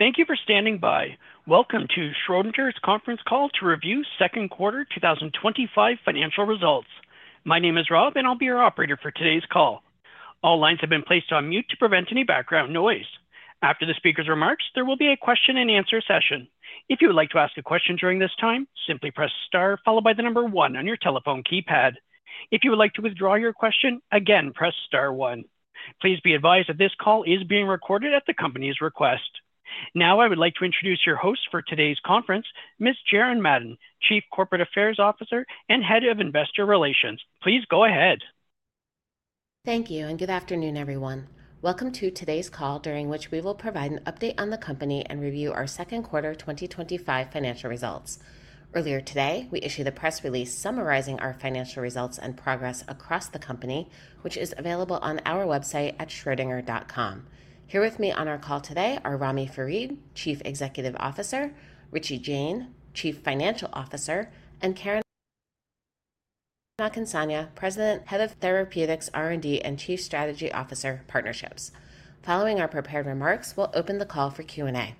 Thank you for standing by. Welcome to Schrödinger's Conference Call to Review Cecond Quarter 2025 Financial Results. My name is Rob, and I'll be your operator for today's call. All lines have been placed on mute to prevent any background noise. After the speakers' remarks, there will be a question and answer session. If you would like to ask a question during this time, simply press star, followed by the number one on your telephone keypad. If you would like to withdraw your question, again, press star one. Please be advised that this call is being recorded at the company's request. Now I would like to introduce your host for today's conference, Ms. Jaren Mad, Chief Corporate Affairs Officer and Head of Investor Relations. Please go ahead. Thank you and good afternoon, everyone. Welcome to today's call during which we will provide an update on the company and review our second quarter 2025 financial results. Earlier today, we issued a press release summarizing our financial results and progress across the company, which is available on our website at schrodinger.com. Here with me on our call today are Ramy Farid, Chief Executive Officer; Richie Jain, Chief Financial Officer; and Karen Akinsanya, President, Head of Therapeutics R&D, and Chief Strategy Officer, Partnerships. Following our prepared remarks, we'll open the call for Q&A.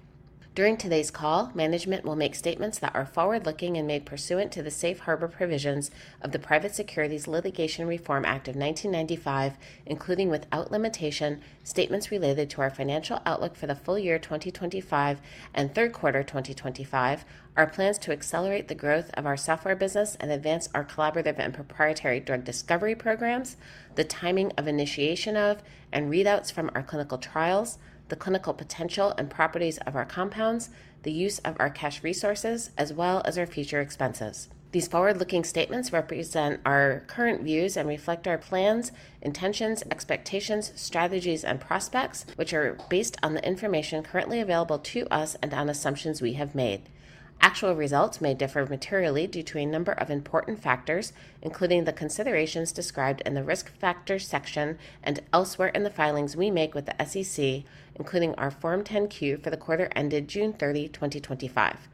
During today's call, management will make statements that are forward-looking and made pursuant to the safe harbor provisions of the Private Securities Litigation Reform Act of 1995, including without limitation, statements related to our financial outlook for the full year 2025 and third quarter 2025, our plans to accelerate the growth of our software business and advance our collaborative and proprietary drug discovery programs, the timing of initiation of and readouts from our clinical trials, the clinical potential and properties of our compounds, the use of our cash resources, as well as our future expenses. These forward-looking statements represent our current views and reflect our plans, intentions, expectations, strategies, and prospects, which are based on the information currently available to us and on assumptions we have made. Actual results may differ materially due to a number of important factors, including the considerations described in the risk factors section and elsewhere in the filings we make with the SEC, including our Form 10-Q for the quarter ended June 30, 2025.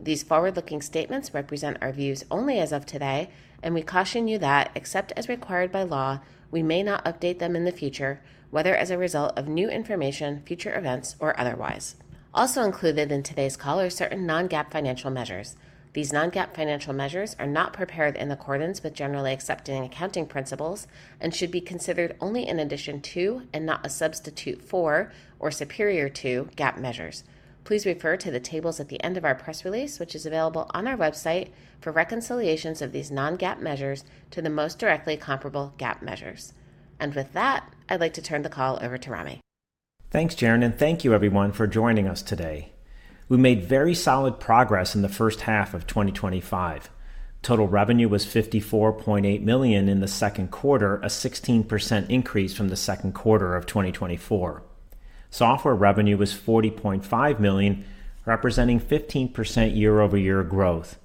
These forward-looking statements represent our views only as of today, and we caution you that, except as required by law, we may not update them in the future, whether as a result of new information, future events, or otherwise. Also included in today's call are certain non-GAAP financial measures. These non-GAAP financial measures are not prepared in accordance with generally accepted accounting principles and should be considered only in addition to and not a substitute for or superior to GAAP measures. Please refer to the tables at the end of our press release, which is available on our website, for reconciliations of these non-GAAP measures to the most directly comparable GAAP measures. With that, I'd like to turn the call over to Ramy. Thanks, Jaren, and thank you, everyone, for joining us today. We made very solid progress in the first half of 2025. Total revenue was $54.8 million in the second quarter, a 16% increase from the second quarter of 2024. Software revenue was $40.5 million, representing 15% year-over-year growth.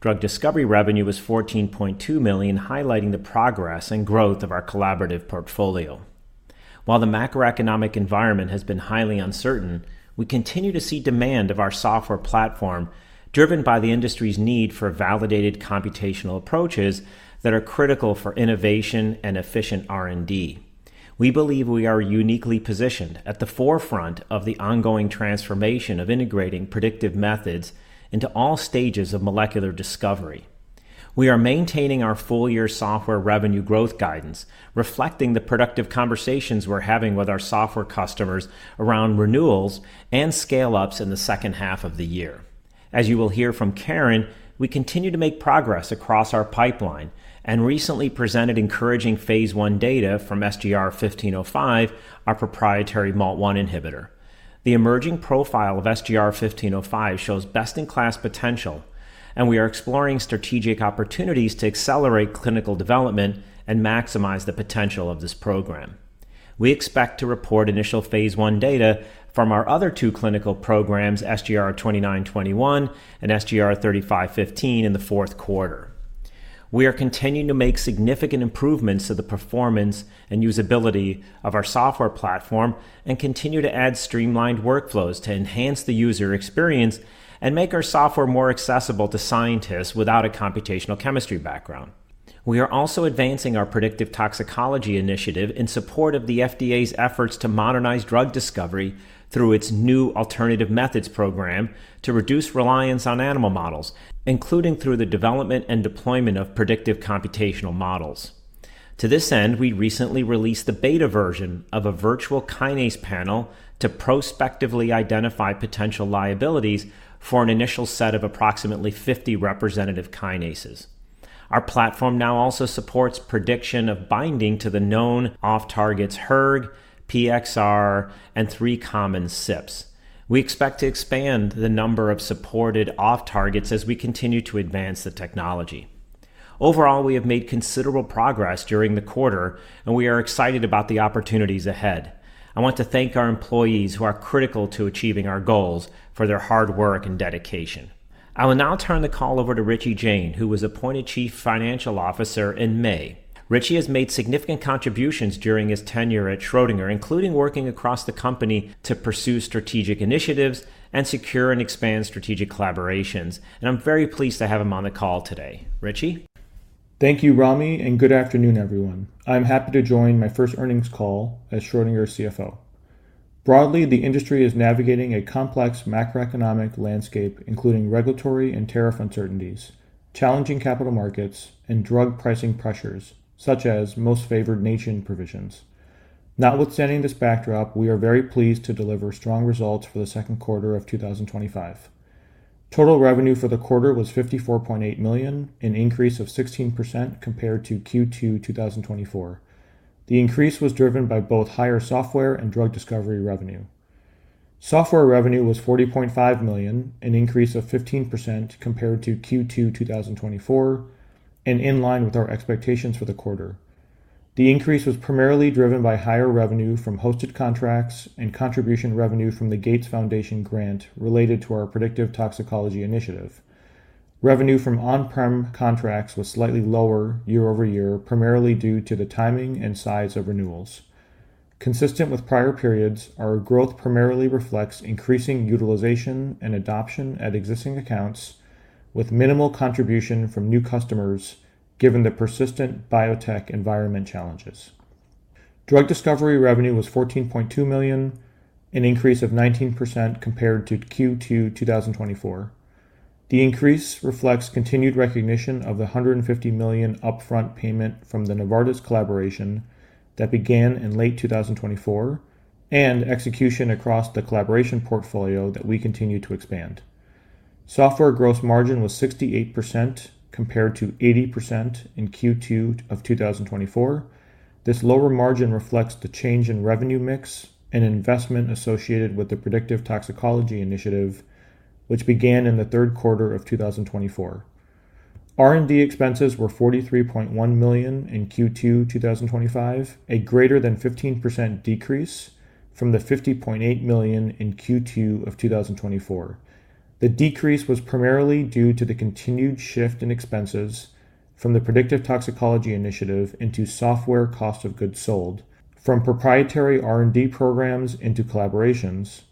Drug Discovery revenue was $14.2 million, highlighting the progress and growth of our collaborative portfolio. While the macroeconomic environment has been highly uncertain, we continue to see demand for our software platform, driven by the industry's need for validated computational approaches that are critical for innovation and efficient R&D. We believe we are uniquely positioned at the forefront of the ongoing transformation of integrating predictive methods into all stages of molecular discovery. We are maintaining our full-year software revenue growth guidance, reflecting the productive conversations we're having with our software customers around renewals and scale-ups in the second half of the year. As you will hear from Karen, we continue to make progress across our pipeline and recently presented encouraging phase I data from SGR-1505, our proprietary MALT1 inhibitor. The emerging profile of SGR-1505 shows best-in-class potential, and we are exploring strategic opportunities to accelerate clinical development and maximize the potential of this program. We expect to report initial phase I data from our other two clinical programs, SGR-2921 and SGR-3515, in the fourth quarter. We are continuing to make significant improvements to the performance and usability of our software platform and continue to add streamlined workflows to enhance the user experience and make our software more accessible to scientists without a computational chemistry background. We are also advancing our predictive toxicology initiative in support of the FDA's efforts to modernize drug discovery through its new alternative methods program to reduce reliance on animal models, including through the development and deployment of predictive computational models. To this end, we recently released the beta version of a virtual kinase panel to prospectively identify potential liabilities for an initial set of approximately 50 representative kinases. Our platform now also supports prediction of binding to the known off-targets hERG, PXR, and three common CYPs. We expect to expand the number of supported off-targets as we continue to advance the technology. Overall, we have made considerable progress during the quarter, and we are excited about the opportunities ahead. I want to thank our employees who are critical to achieving our goals for their hard work and dedication. I will now turn the call over to Richie Jain, who was appointed Chief Financial Officer in May. Richie has made significant contributions during his tenure at Schrödinger, including working across the company to pursue strategic initiatives and secure and expand strategic collaborations. I am very pleased to have him on the call today. Richie? Thank you, Ramy, and good afternoon, everyone. I'm happy to join my first earnings call as Schrödinger's CFO. Broadly, the industry is navigating a complex macroeconomic landscape, including regulatory and tariff uncertainties, challenging capital markets, and drug pricing pressures, such as most favored nation provisions. Notwithstanding this backdrop, we are very pleased to deliver strong results for the second quarter of 2025. Total revenue for the quarter was $54.8 million, an increase of 16% compared to Q2 2024. The increase was driven by both higher software and drug discovery revenue. Software revenue was $40.5 million, an increase of 15% compared to Q2 2024, and in line with our expectations for the quarter. The increase was primarily driven by higher revenue from hosted software contracts and contribution revenue from the Gates Foundation grant related to our predictive toxicology initiative. Revenue from on-prem contracts was slightly lower year over year, primarily due to the timing and size of renewals. Consistent with prior periods, our growth primarily reflects increasing utilization and adoption at existing accounts with minimal contribution from new customers, given the persistent biotech environment challenges. Drug discovery revenue was $14.2 million, an increase of 19% compared to Q2 2024. The increase reflects continued recognition of the $150 million upfront payment from the Novartis collaboration that began in late 2024 and execution across the collaboration portfolio that we continue to expand. Software gross margin was 68% compared to 80% in Q2 2024. This lower margin reflects the change in revenue mix and investment associated with the predictive toxicology initiative, which began in the third quarter of 2024. R&D expenses were $43.1 million in Q2 2025, a greater than 15% decrease from the $50.8 million in Q2 2024. The decrease was primarily due to the continued shift in expenses from the predictive toxicology initiative into software cost of goods sold, from proprietary R&D programs into collaborations,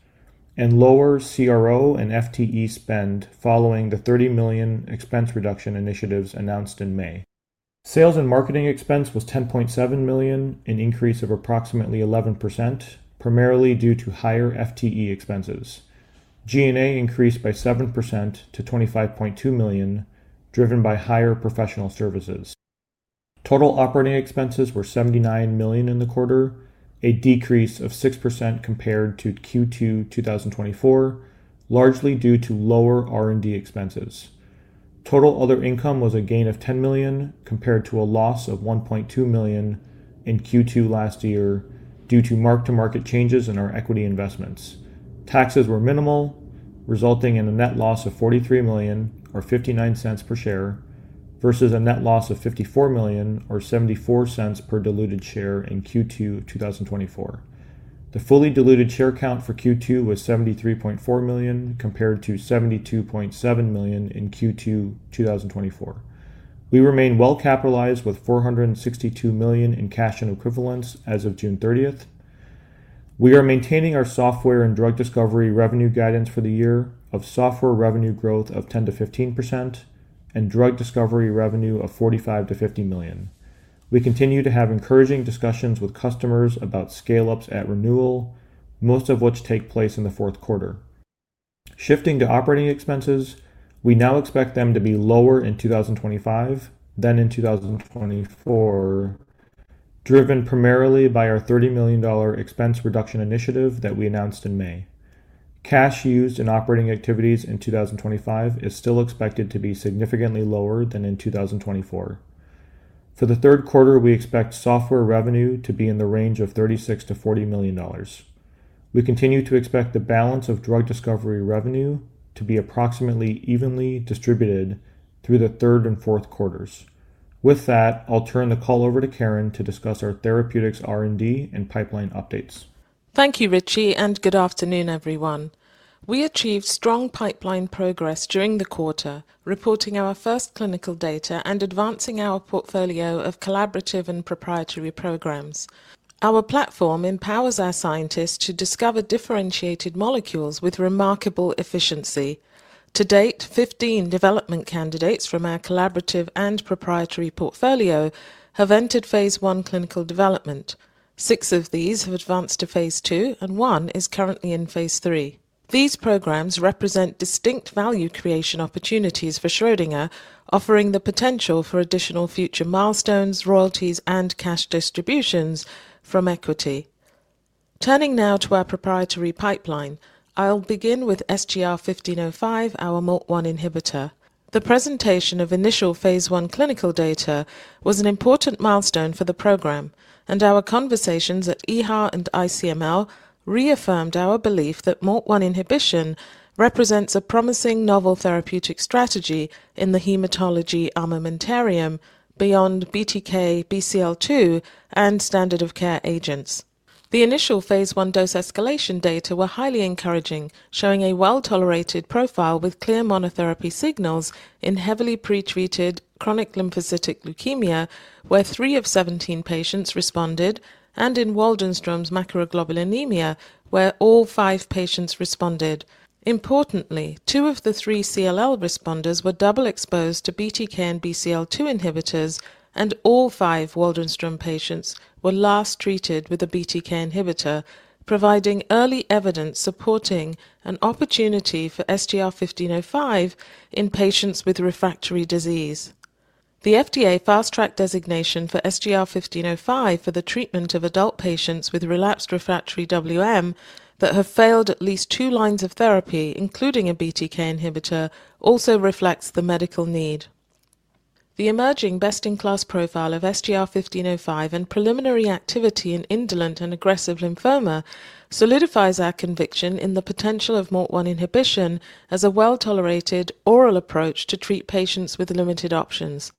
and lower CRO and FTE spend following the $30 million expense reduction initiatives announced in May. Sales and marketing expense was $10.7 million, an increase of approximately 11%, primarily due to higher FTE expenses. G&A increased by 7% to $25.2 million, driven by higher professional services. Total operating expenses were $79 million in the quarter, a decrease of 6% compared to Q2 2024, largely due to lower R&D expenses. Total other income was a gain of $10 million compared to a loss of $1.2 million in Q2 last year due to mark-to-market changes in our equity investments. Taxes were minimal, resulting in a net loss of $43 million or $0.59 per share versus a net loss of $54 million or $0.74 per diluted share in Q2 2024. The fully diluted share count for Q2 was 73.4 million compared to 72.7 million in Q2 2024. We remain well capitalized with $462 million in cash and equivalents as of June 30th. We are maintaining our software and drug discovery revenue guidance for the year of software revenue growth of 10% to 15% and drug discovery revenue of $45 million to $50 million. We continue to have encouraging discussions with customers about scale-ups at renewal, most of which take place in the fourth quarter. Shifting to operating expenses, we now expect them to be lower in 2025 than in 2024, driven primarily by our $30 million expense reduction initiative that we announced in May. Cash used in operating activities in 2025 is still expected to be significantly lower than in 2024. For the third quarter, we expect software revenue to be in the range of $36 million to $40 million. We continue to expect the balance of drug discovery revenue to be approximately evenly distributed through the third and fourth quarters. With that, I'll turn the call over to Karen to discuss our therapeutics R&D and pipeline updates. Thank you, Richie, and good afternoon, everyone. We achieved strong pipeline progress during the quarter, reporting our first clinical data and advancing our portfolio of collaborative and proprietary programs. Our platform empowers our scientists to discover differentiated molecules with remarkable efficiency. To date, 15 development candidates from our collaborative and proprietary portfolio have entered phase I clinical development. Six of these have advanced to phase II, and one is currently in phase III. These programs represent distinct value creation opportunities for Schrödinger, offering the potential for additional future milestones, royalties, and cash distributions from equity. Turning now to our proprietary pipeline, I'll begin with SGR-1505, our MALT1 inhibitor. The presentation of initial phase I clinical data was an important milestone for the program, and our conversations at EHA and ICML reaffirmed our belief that MALT1 inhibition represents a promising novel therapeutic strategy in the hematology armamentarium beyond BTK, BCL2, and standard of care agents. The initial phase I dose escalation data were highly encouraging, showing a well-tolerated profile with clear monotherapy signals in heavily pretreated chronic lymphocytic leukemia, where 3 of 17 patients responded, and in Waldenstrom's macroglobulinemia, where all five patients responded. Importantly, two of the three CLL responders were double exposed to BTK and BCL2 inhibitors, and all five Waldenstrom patients were last treated with a BTK inhibitor, providing early evidence supporting an opportunity for SGR-1505 in patients with refractory disease. The FDA fast track designation for SGR-1505 for the treatment of adult patients with relapsed refractory WM that have failed at least two lines of therapy, including a BTK inhibitor, also reflects the medical need. The emerging best-in-class profile of SGR-1505 and preliminary activity in indolent and aggressive lymphoma solidifies our conviction in the potential of MALT1 inhibition as a well-tolerated oral approach to treat patients with limited options.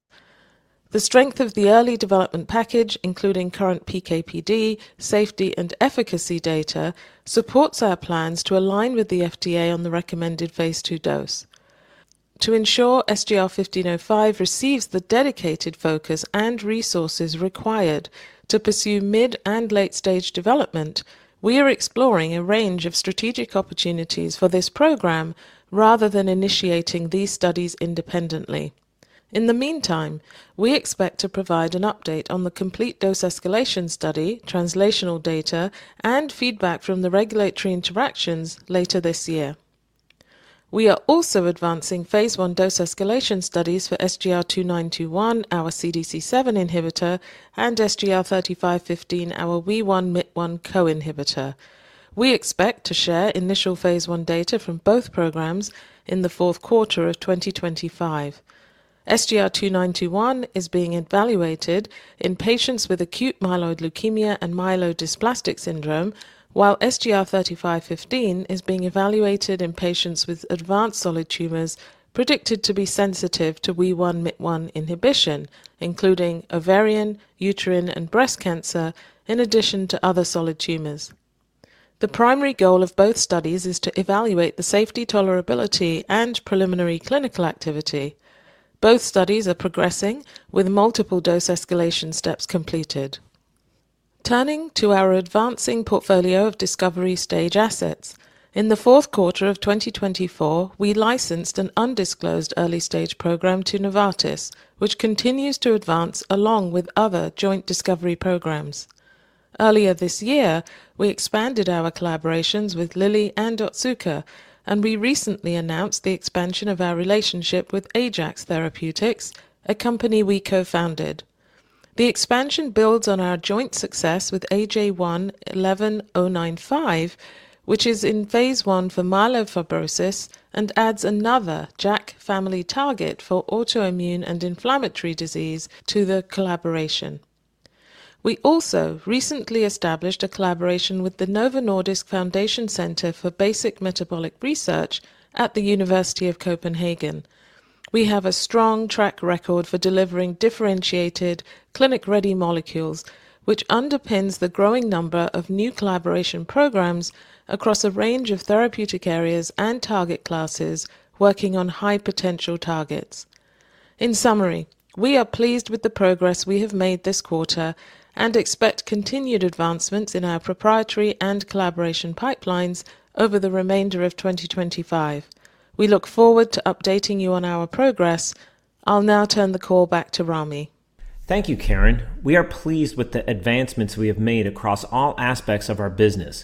The strength of the early development package, including current PK/PD, safety, and efficacy data, supports our plans to align with the FDA on the recommended phase II dose. To ensure SGR-1505 receives the dedicated focus and resources required to pursue mid and late-stage development, we are exploring a range of strategic opportunities for this program rather than initiating these studies independently. In the meantime, we expect to provide an update on the complete dose escalation study, translational data, and feedback from the regulatory interactions later this year. We are also advancing phase one dose escalation studies for SGR-2921, our CDC7 inhibitor, and SGR-3515, our Wee1/Myt1 co inhibitor. We expect to share initial phase one data from both programs in the fourth quarter of 2025. SGR-2921 is being evaluated in patients with acute myeloid leukemia and myelodysplastic syndrome, while SGR-3515 is being evaluated in patients with advanced solid tumors predicted to be sensitive to Wee1/Myt1 inhibition, including ovarian, uterine, and breast cancer, in addition to other solid tumors. The primary goal of both studies is to evaluate the safety, tolerability, and preliminary clinical activity. Both studies are progressing with multiple dose escalation steps completed. Turning to our advancing portfolio of discovery stage assets, in the fourth quarter of 2024, we licensed an undisclosed early-stage program to Novartis, which continues to advance along with other joint discovery programs. Earlier this year, we expanded our collaborations with Lilly and Otsuka, and we recently announced the expansion of our relationship with Ajax Therapeutics, a company we co-founded. The expansion builds on our joint success with AJ1-11095, which is in phase I for myelofibrosis and adds another JAK family target for autoimmune and inflammatory disease to the collaboration. We also recently established a collaboration with the Novo Nordisk Foundation Center for Basic Metabolic Research at the University of Copenhagen. We have a strong track record for delivering differentiated, clinic-ready molecules, which underpins the growing number of new collaboration programs across a range of therapeutic areas and target classes working on high-potential targets. In summary, we are pleased with the progress we have made this quarter and expect continued advancements in our proprietary and collaboration pipelines over the remainder of 2025. We look forward to updating you on our progress. I'll now turn the call back to Ramy. Thank you, Karen. We are pleased with the advancements we have made across all aspects of our business.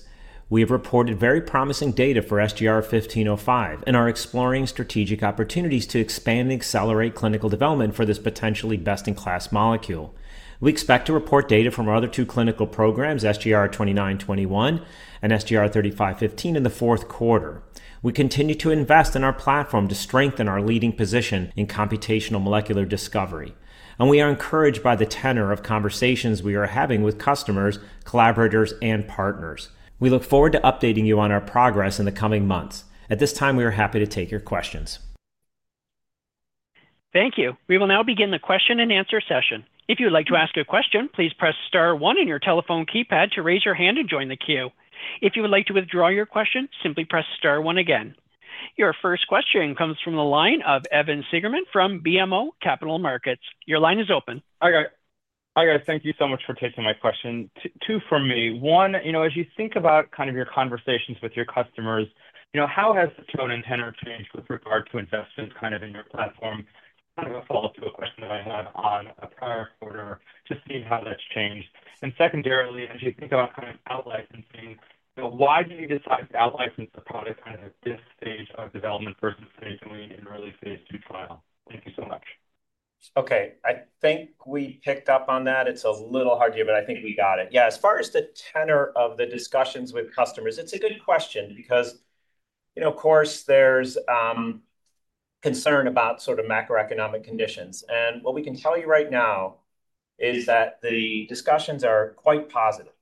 We have reported very promising data for SGR-1505 and are exploring strategic opportunities to expand and accelerate clinical development for this potentially best-in-class molecule. We expect to report data from our other two clinical programs, SGR-2921 and SGR-3515, in the fourth quarter. We continue to invest in our platform to strengthen our leading position in computational molecular discovery, and we are encouraged by the tenor of conversations we are having with customers, collaborators, and partners. We look forward to updating you on our progress in the coming months. At this time, we are happy to take your questions. Thank you. We will now begin the question and answer session. If you would like to ask a question, please press star one on your telephone keypad to raise your hand and join the queue. If you would like to withdraw your question, simply press star one again. Your first question comes from the line of Evan Seigerman from BMO Capital Markets. Your line is open. Thank you so much for taking my question. Two from me. One, as you think about your conversations with your customers, how has the tone and tenor changed with regard to investments in your platform? I'm going to follow up to a question that I had on a prior quarter to see how that's changed. Secondarily, as you think about out-licensing, why did you decide to out-license the product at this stage of development versus stage three and early stage two trial? Thank you so much. Okay, I think we picked up on that. It's a little hard to hear, but I think we got it. As far as the tenor of the discussions with customers, it's a good question because, you know, of course there's concern about sort of macroeconomic conditions. What we can tell you right now is that the discussions are quite positive.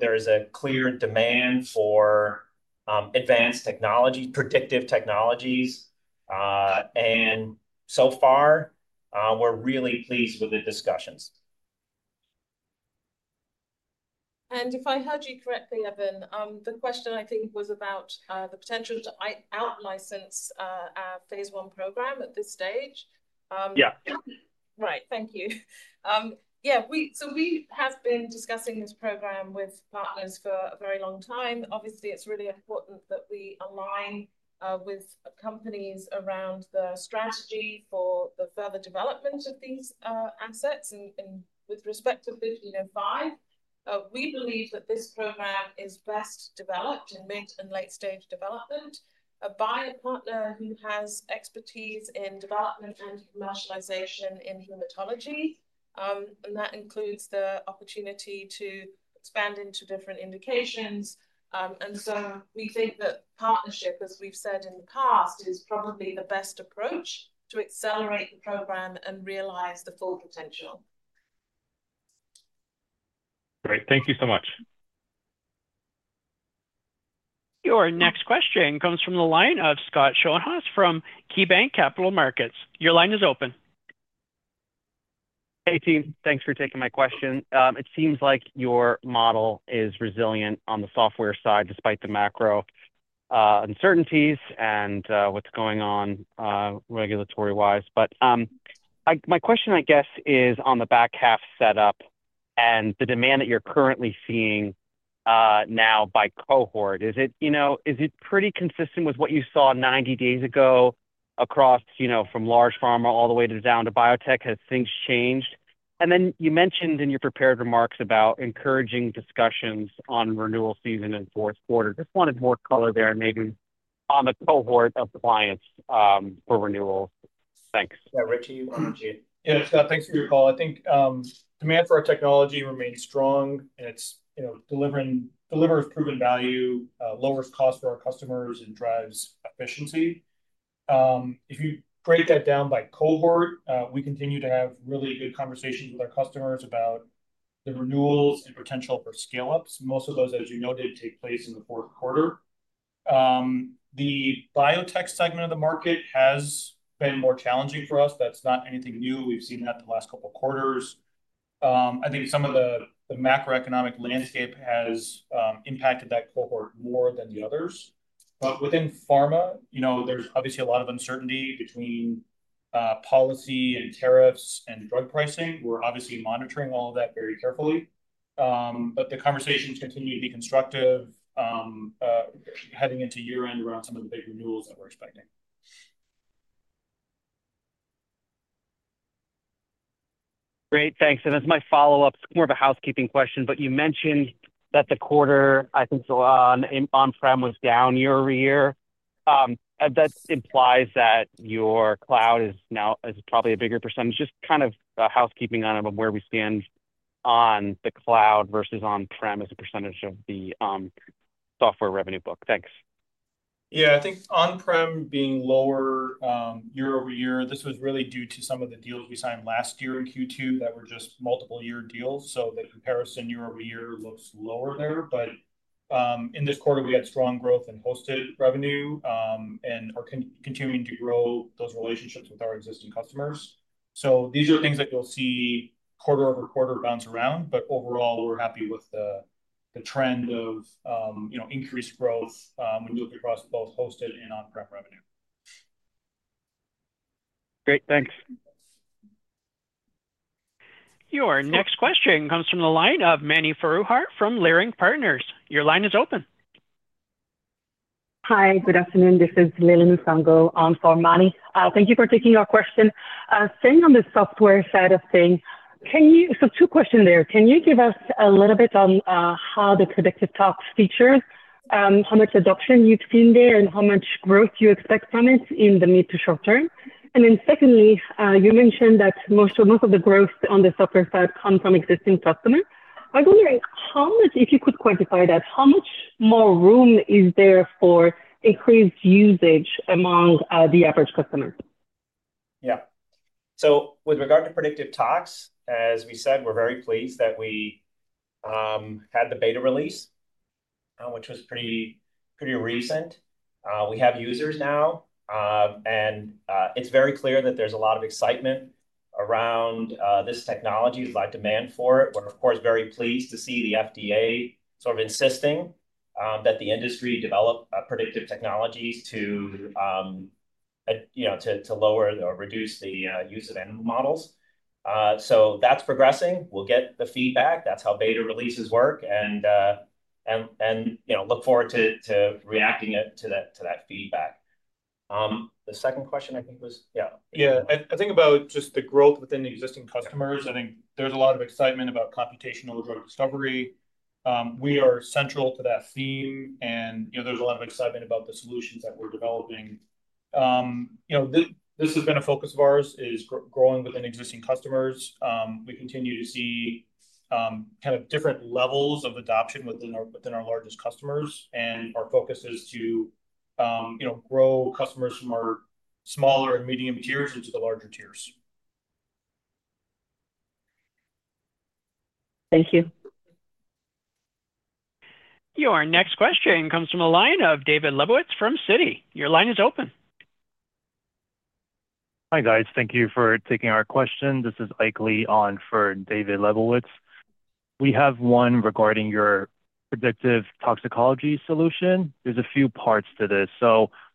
There's a clear demand for advanced technology, predictive technologies, and so far, we're really pleased with the discussions. If I heard you correctly, Evan, the question I think was about the potential to out-license our phase I program at this stage. Yeah. Right, thank you. We have been discussing this program with partners for a very long time. Obviously, it's really important that we align with companies around the strategy for the further development of these assets. With respect to SGR-1505, we believe that this program is best developed in mid and late-stage development by a partner who has expertise in development and commercialization in hematology. That includes the opportunity to expand into different indications. We think that partnership, as we've said in the past, is probably the best approach to accelerate the program and realize the full potential. Great, thank you so much. Your next question comes from the line of Scott Schoenhaus from KeyBanc Capital Markets. Your line is open. Hey team, thanks for taking my question. It seems like your model is resilient on the software side despite the macro uncertainties and what's going on regulatory-wise. My question, I guess, is on the back half setup and the demand that you're currently seeing now by cohort. Is it pretty consistent with what you saw 90 days ago across, you know, from large pharma all the way down to biotech? Have things changed? You mentioned in your prepared remarks about encouraging discussions on renewal season in the fourth quarter. Just wanted more color there and maybe on the cohort of clients for renewal. Thanks. Yeah, Richie, what would you? Yeah, it's that. Thanks for your call. I think demand for our technology remains strong and it delivers proven value, lowers costs for our customers, and drives efficiency. If you break that down by cohort, we continue to have really good conversations with our customers about the renewals and potential for scale-ups. Most of those, as you noted, take place in the fourth quarter. The biotech segment of the market has been more challenging for us. That's not anything new. We've seen that the last couple of quarters. I think some of the macroeconomic landscape has impacted that cohort more than the others. Within pharma, there's obviously a lot of uncertainty between policy and tariffs and drug pricing. We're obviously monitoring all of that very carefully. The conversations continue to be constructive heading into year-end around some of the big renewals that we're expecting. Great, thanks. As my follow-up, it's more of a housekeeping question, but you mentioned that the quarter, I think, on prem was down year over year. That implies that your cloud is now probably a bigger percentage. Just kind of housekeeping on where we stand on the cloud versus on prem as a percentage of the software revenue book. Thanks. I think on prem being lower year over year was really due to some of the deals we signed last year in Q2 that were just multiple-year deals. The comparison year over year looks lower there. In this quarter, we had strong growth in hosted revenue and are continuing to grow those relationships with our existing customers. These are things that you'll see quarter over quarter bounce around, but overall, we're happy with the trend of increased growth when you look across both hosted and on prem revenue. Great, thanks. Your next question comes from the line of Mani Foroohar from Leerink Partners. Your line is open. Hi, good afternoon. This is Lili Nsongo for Mani. Thank you for taking your question. Staying on the software side of things, two questions there. Can you give us a little bit on how the predictive toxicology feature, how much adoption you've seen there, and how much growth you expect from it in the mid to short term? Secondly, you mentioned that most of the growth on the software side comes from existing customers. I'm wondering, if you could quantify that, how much more room is there for increased usage among the average customer? Yeah, so with regard to predictive toxicology, as we said, we're very pleased that we had the beta release, which was pretty recent. We have users now, and it's very clear that there's a lot of excitement around this technology. There's a lot of demand for it. We're, of course, very pleased to see the FDA sort of insisting that the industry develop predictive technologies to, you know, to lower or reduce the use of animal models. That's progressing. We'll get the feedback. That's how beta releases work, and, you know, look forward to reacting to that feedback. The second question, I think, was, yeah. Yeah, I think about just the growth within the existing customers. I think there's a lot of excitement about computational drug discovery. We are central to that theme, and there's a lot of excitement about the solutions that we're developing. This has been a focus of ours, growing within existing customers. We continue to see different levels of adoption within our largest customers, and our focus is to grow customers from our smaller and medium tiers into the larger tiers. Thank you. Your next question comes from a line of David Lebowitz from Citi. Your line is open. Hi guys, thank you for taking our question. This is Ike Lee on for David Lebowitz. We have one regarding your predictive toxicology solution. There's a few parts to this.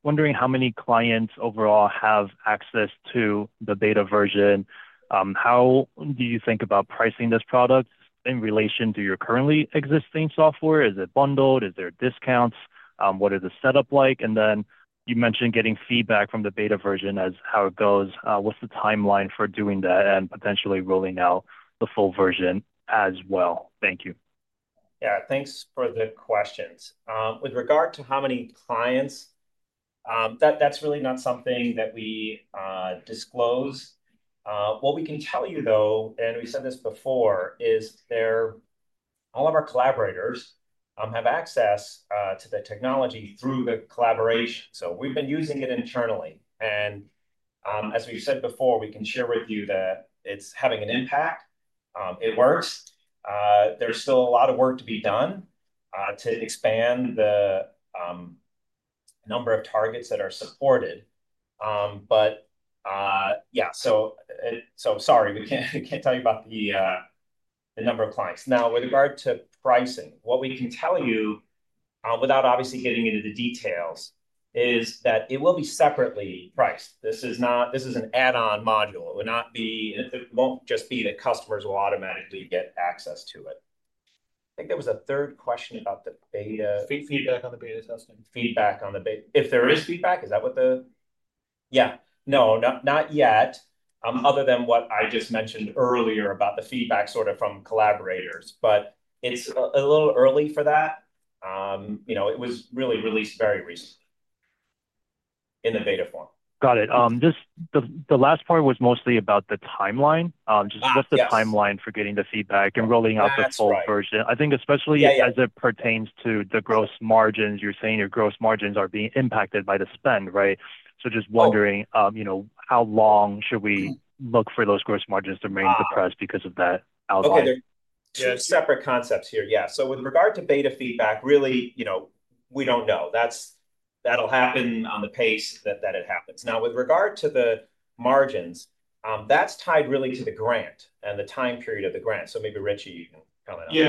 Wondering how many clients overall have access to the beta version. How do you think about pricing this product in relation to your currently existing software? Is it bundled? Is there discounts? What are the setup like? You mentioned getting feedback from the beta version as how it goes. What's the timeline for doing that and potentially rolling out the full version as well? Thank you. Yeah. Thanks for the questions. With regard to how many clients, that's really not something that we disclose. What we can tell you, though, and we said this before, is that all of our collaborators have access to the technology through the collaboration. We've been using it internally. As we've said before, we can share with you that it's having an impact. It works. There's still a lot of work to be done to expand the number of targets that are supported. Sorry, we can't tell you about the number of clients. With regard to pricing, what we can tell you without obviously getting into the details is that it will be separately priced. This is not, this is an add-on module. It will not be, it won't just be that customers will automatically get access to it. I think there was a third question about the beta. Feedback on the beta testing. If there is feedback, is that what the, yeah, no, not yet, other than what I just mentioned earlier about the feedback sort of from collaborators. It's a little early for that. You know, it was really released very recently in the beta form. Got it. Just the last point was mostly about the timeline. Just the timeline for getting the feedback and rolling out the full version. I think especially as it pertains to the gross margins, you're saying your gross margins are being impacted by the spend, right? Just wondering how long should we look for those gross margins to remain depressed because of that outside? Okay, there are separate concepts here. With regard to beta feedback, really, we don't know. That'll happen on the pace that it happens. Now, with regard to the margins, that's tied really to the grant and the time period of the grant. Maybe Richie, you can comment on that.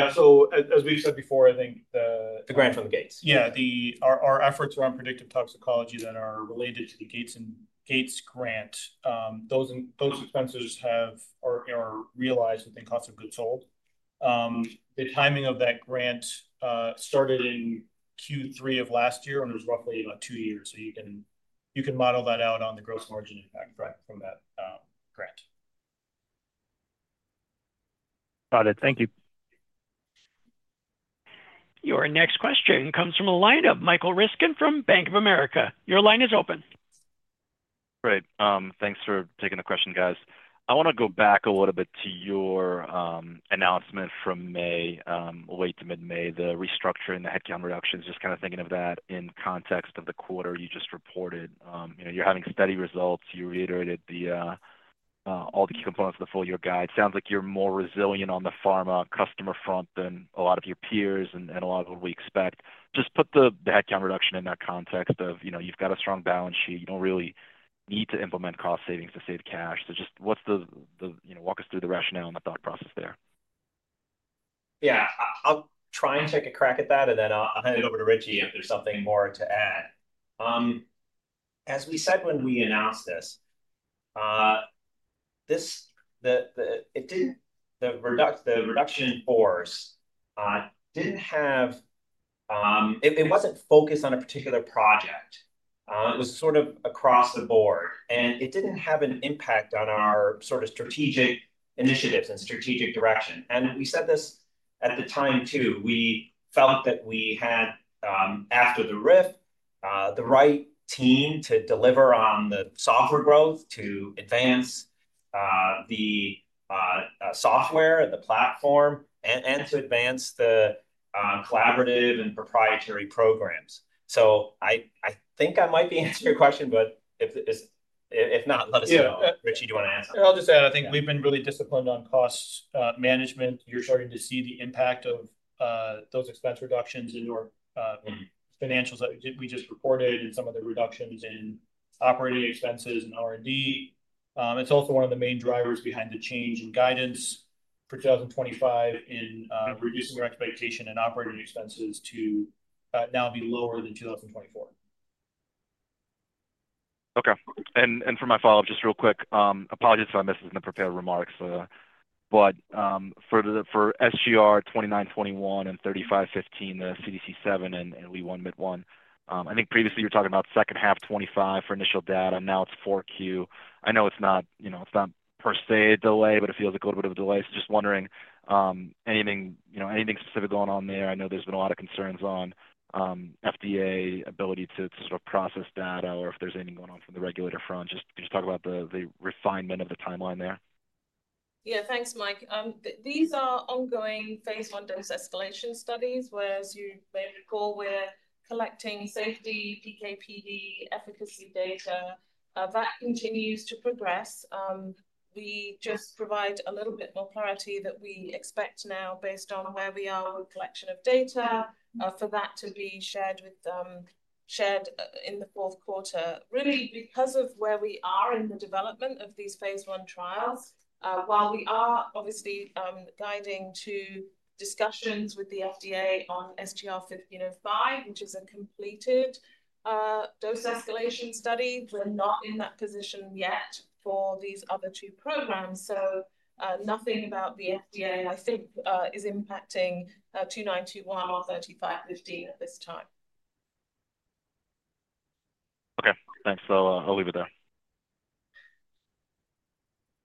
Yeah, as we've said before, I think the. `The grant from the Gates. Yeah, our efforts around predictive toxicology that are related to the Gates Foundation and Gates Foundation grant, those expenses have or are realized within cost of goods sold. The timing of that grant started in Q3 of last year, and it was roughly about two years. You can model that out on the gross margin impact from that grant. Got it. Thank you. Your next question comes from a line of Michael Ryskin from Bank of America. Your line is open. Great, thanks for taking the question, guys. I want to go back a little bit to your announcement from May, late to mid-May, the restructuring and the headcount reductions. Just kind of thinking of that in context of the quarter you just reported. You're having steady results. You reiterated all the key components of the full-year guide. It sounds like you're more resilient on the pharma customer front than a lot of your peers and a lot of what we expect. Just put the headcount reduction in that context of, you know, you've got a strong balance sheet. You don't really need to implement cost savings to save cash. Just walk us through the rationale and the thought process there. Yeah, I'll try and take a crack at that, and then I'll hand it over to Richie if there's something more to add. As we said when we announced this, the reduction in force wasn't focused on a particular project. It was sort of across the board, and it didn't have an impact on our strategic initiatives and strategic direction. We said this at the time too. We felt that we had, after the RIF, the right team to deliver on the software growth, to advance the software, the platform, and to advance the collaborative and proprietary programs. I think I might be answering your question, but if not, let us know. Richie, do you want to ask? I'll just add, I think we've been really disciplined on cost management. You're starting to see the impact of those expense reductions in your financials that we just reported, and some of the reductions in operating expenses and R&D. It's also one of the main drivers behind the change in guidance for 2025, in reducing your expectation and operating expenses to now be lower than 2024. Okay, and for my follow-up, just real quick, apologies if I missed this in the prepared remarks. For SGR-2921 and SGR-3515, the CDC7 and Wee1/Myt1, I think previously you were talking about second half 2025 for initial data. Now it's 4Q. I know it's not, you know, it's not per se a delay, but it feels like a little bit of a delay. Just wondering, anything, you know, anything specific going on there? I know there's been a lot of concerns on FDA ability to sort of process data or if there's anything going on from the regulator front. Can you talk about the refinement of the timeline there? Yeah, thanks, Mike. These are ongoing phase I dose escalation studies, where, as you may recall, we're collecting safety, PK/PD, efficacy data. That continues to progress. We just provide a little bit more clarity that we expect now, based on where we are with collection of data, for that to be shared in the fourth quarter. Really, because of where we are in the development of these phase one trials, while we are obviously guiding to discussions with the FDA on SGR-1505, which is a completed dose escalation study, we're not in that position yet for these other two programs. Nothing about the FDA, I think, is impacting 2921 or 3515 at this time. Okay, thanks. I'll leave it there.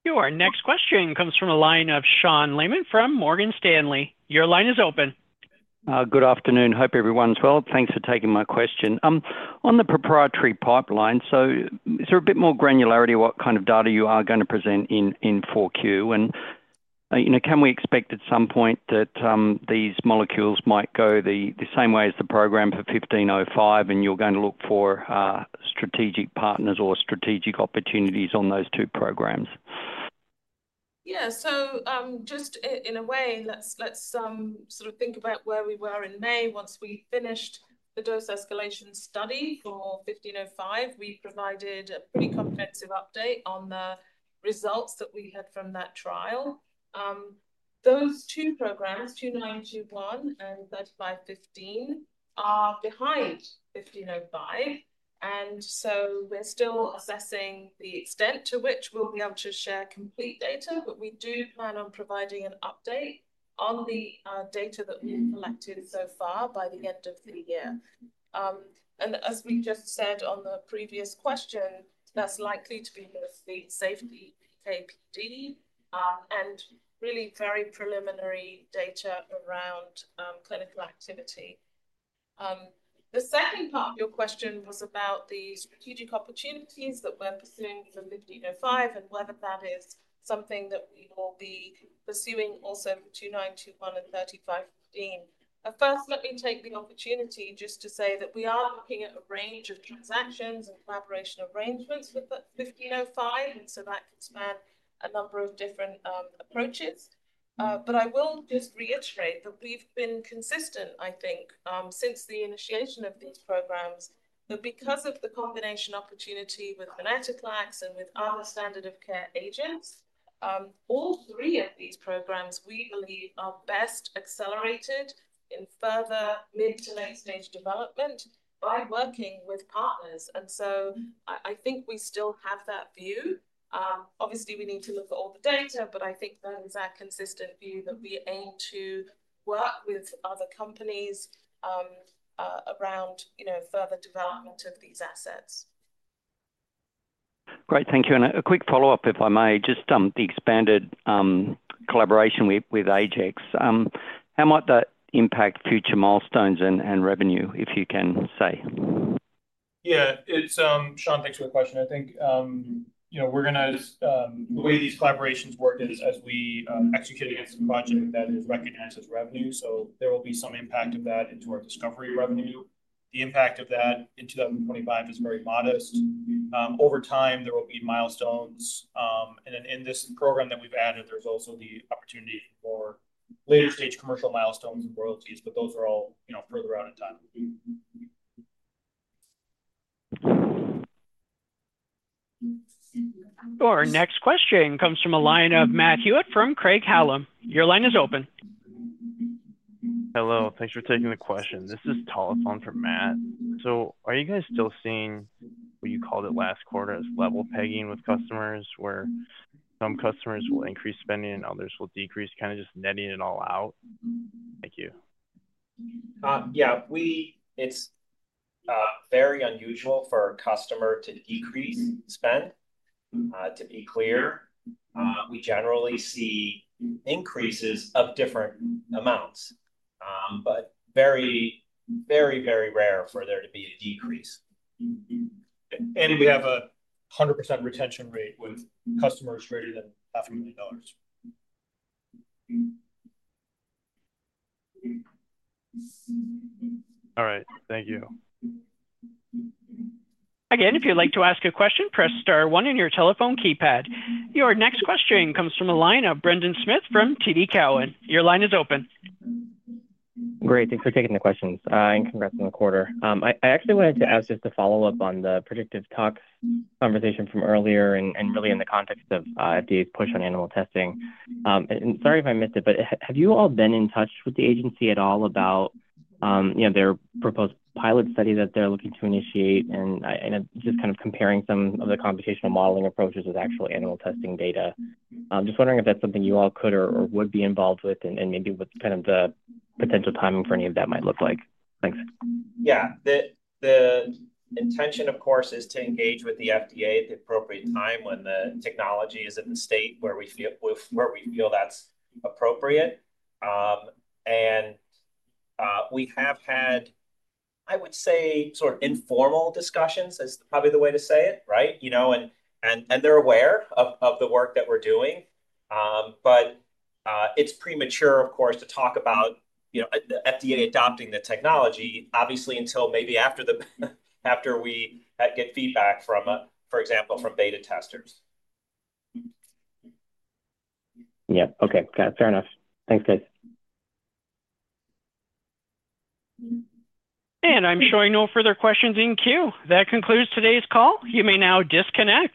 Your next question comes from a line of Sean Laaman from Morgan Stanley. Your line is open. Good afternoon. Hope everyone's well. Thanks for taking my question. On the proprietary pipeline, is there a bit more granularity of what kind of data you are going to present in 4Q? Can we expect at some point that these molecules might go the same way as the program for 1505 and you're going to look for strategic partners or strategic opportunities on those two programs? Yeah, so just in a way, let's sort of think about where we were in May. Once we finished the dose escalation study for 1505, we provided a pretty comprehensive update on the results that we had from that trial. Those two programs, 2921 and 3515, are behind 1505. We're still assessing the extent to which we'll be able to share complete data, but we do plan on providing an update on the data that we've collected so far by the end of the year. As we just said on the previous question, that's likely to be mostly safety, PK/PD, and really very preliminary data around clinical activity. The second part of your question was about the strategic opportunities that we're pursuing for 1505 and whether that is something that we will be pursuing also in 2921 and 3515. First, let me take the opportunity just to say that we are looking at a range of transactions and collaboration arrangements with 1505, and that could span a number of different approaches. I will just reiterate that we've been consistent, I think, since the initiation of these programs, that because of the combination opportunity with venetoclax and with our standard of care agents, all three of these programs we believe are best accelerated in further mid-to-late-stage development by working with partners. I think we still have that view. Obviously, we need to look at all the data, but I think that is our consistent view that we aim to work with other companies around further development of these assets. Great, thank you. A quick follow-up, if I may, just the expanded collaboration with Ajax. How might that impact future milestones and revenue, if you can say? Yeah, it's Sean's extra question. I think we're going to, the way these collaborations work is as we execute against a budget that is recognized as revenue. There will be some impact of that into our discovery revenue. The impact of that in 2025 is very modest. Over time, there will be milestones. In this program that we've added, there's also the opportunity for later-stage commercial milestones and royalties, but those are all further out in time. Our next question comes from the line of Matt Hewitt from Craig-Hallum. Your line is open. Hello, thanks for taking the question. This is Tullifon from Matt. Are you guys still seeing what you called it last quarter as level pegging with customers, where some customers will increase spending and others will decrease, kind of just netting it all out? Thank you. Yeah, it's very unusual for a customer to decrease spend. To be clear, we generally see increases of different amounts, but very, very, very rare for there to be a decrease. We have a 100% retention rate with customers greater than $0.5 million. All right, thank you. Again, if you'd like to ask a question, press star one on your telephone keypad. Your next question comes from the line of Brendan Smith from TD Cowen. Your line is open. Great, thanks for taking the questions and congrats on the quarter. I actually wanted to ask just to follow up on the predictive toxicology conversation from earlier, really in the context of FDA's push on animal testing. Sorry if I missed it, but have you all been in touch with the agency at all about their proposed pilot study that they're looking to initiate? I know just kind of comparing some of the computational modeling approaches with actual animal testing data. I'm just wondering if that's something you all could or would be involved with and maybe what kind of the potential timing for any of that might look like. Thanks. The intention, of course, is to engage with the FDA at the appropriate time when the technology is in the state where we feel that's appropriate. We have had, I would say, sort of informal discussions is probably the way to say it, right? You know, they're aware of the work that we're doing. It's premature, of course, to talk about the FDA adopting the technology, obviously, until maybe after we get feedback from, for example, from beta testers. Yeah, okay, got it. Fair enough. Thanks, guys. I'm showing no further questions in queue. That concludes today's call. You may now disconnect.